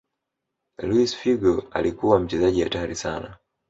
luis figo alikuwa mchezaji hatari sana